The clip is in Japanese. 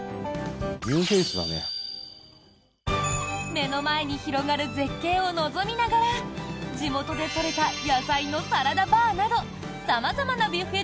目の前に広がる絶景を望みながら地元で採れた野菜のサラダバーなど様々なビュッフェ